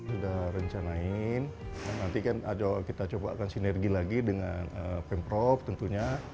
sudah rencanain nanti kan kita coba akan sinergi lagi dengan pemprov tentunya